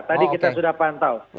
tadi kita sudah pantau